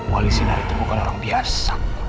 wali sinar itu bukan orang biasa